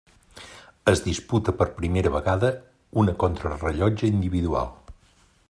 Es disputa per primera vegada una contrarellotge individual.